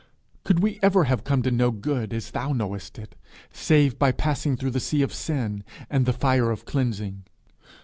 Could we ever have come to know good as thou knowest it, save by passing through the sea of sin and the fire of cleansing?